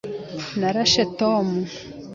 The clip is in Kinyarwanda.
Narashe Tom.